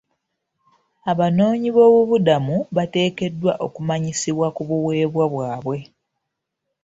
Abanoonyiboobubudamu bateekeddwa okumanyisibwa ku buweebwa bwabwe..